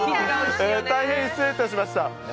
大変失礼いたしました。